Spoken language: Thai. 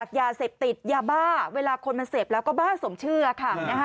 ยาเสพติดยาบ้าเวลาคนมันเสพแล้วก็บ้าสมเชื่อค่ะ